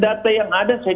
dari data yang ada saya kira